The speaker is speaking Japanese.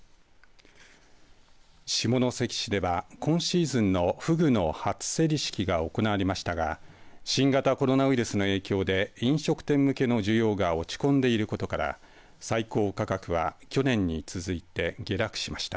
下関市では今シーズンのフグの初競り式が行われましたが新型コロナウイルスの影響で飲食店向けの需要が落ち込んでいることから最高価格は去年に続いて下落しました。